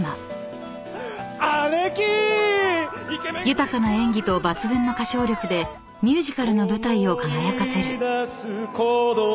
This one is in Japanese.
［豊かな演技と抜群の歌唱力でミュージカルの舞台を輝かせる］